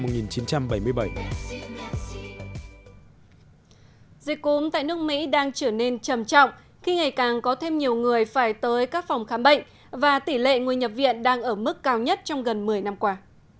dịch cúm tại nước mỹ đang trở nên trầm trọng khi ngày càng có thêm nhiều người phải tới các phòng khám bệnh và tỷ lệ người nhập viện đang ở mức cao nhất trong gần một mươi năm qua